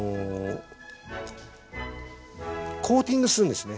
コーティングするんですね